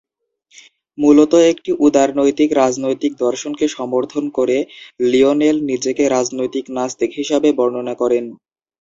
মূলত একটি উদারনৈতিক রাজনৈতিক দর্শনকে সমর্থন করে, লিওনেল নিজেকে "রাজনৈতিক নাস্তিক" হিসাবে বর্ণনা করেন।